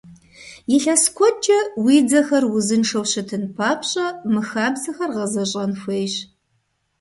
Илъэс куэдкӀэ уи дзэхэр узыншэу щытын папщӀэ, мы хабзэхэр гъэзэщӀэн хуейщ!